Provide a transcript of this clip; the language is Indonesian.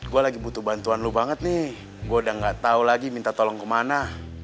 gue lagi butuh bantuan lo banget nih gue udah gak tau lagi minta tolong kemana